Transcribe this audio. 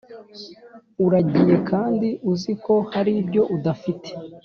Uragiye kandi uziko haribyo udafite